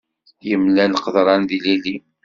Imlal qeḍṛan d ilili.